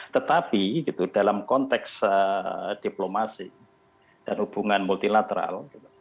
tetapi dalam konteks diplomasi dan hubungan multilateral